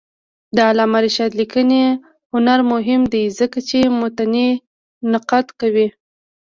د علامه رشاد لیکنی هنر مهم دی ځکه چې متني نقد کوي.